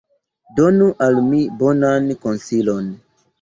Donu al mi bonan konsilon.